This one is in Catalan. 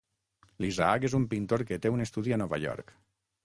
L'Isaac és un pintor que té un estudi a Nova York.